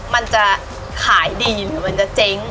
มันจะขายดีหรือมันจะเจ๊ง